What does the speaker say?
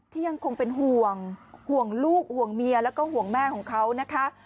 ยังคงเป็นห่วงห่วงลูกห่วงเมียแล้วก็ห่วงแม่ของเขานะคะ